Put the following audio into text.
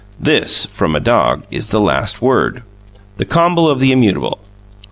This, from a dog, is the last word, the comble of the immutable.